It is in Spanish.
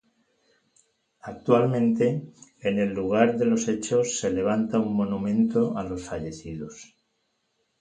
Actualmente, en el lugar de los hechos, se levanta un monumento a los fallecidos.